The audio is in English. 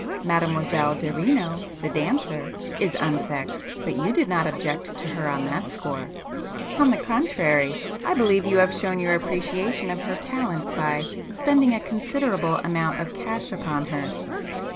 Mademoiselle Derino, the dancer, is 'unsexed,' but you did not object to her on that score,—on the contrary I believe you have shown your appreciation of her talents by spending a considerable amount of cash upon her."